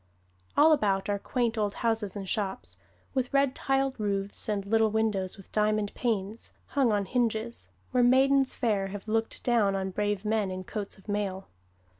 All about are quaint old houses and shops, with red tiled roofs, and little windows, with diamond panes, hung on hinges, where maidens fair have looked down on brave men in coats of mail.